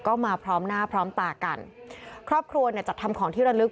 ก็มาพร้อมหน้าพร้อมตากันครอบครัวเนี่ยจัดทำของที่ระลึก